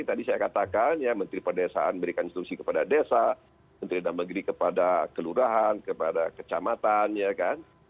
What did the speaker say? tadi saya katakan ya menteri perdesaan berikan instruksi kepada desa menteri dalam negeri kepada kelurahan kepada kecamatan ya kan